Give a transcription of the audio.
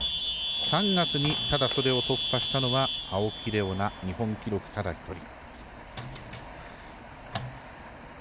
３月にただ、それを突破したのは青木玲緒樹、日本記録、ただ一人。